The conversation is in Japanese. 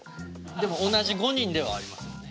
でも同じ５人ではありますもんね。